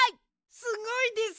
すごいです！